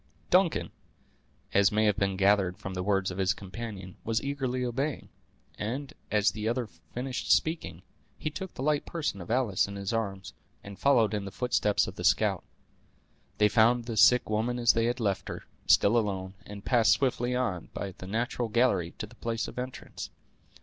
Duncan, as may be gathered from the words of his companion, was eagerly obeying; and, as the other finished speaking, he took the light person of Alice in his arms, and followed in the footsteps of the scout. They found the sick woman as they had left her, still alone, and passed swiftly on, by the natural gallery, to the place of entrance.